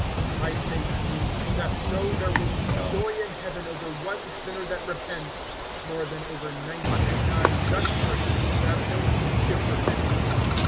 (7)I say to you, that so there will be joy in heaven over one sinner that repents, more than over ninety and nine just persons, who have no need of repentance.